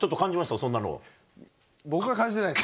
そんな僕は感じてないです。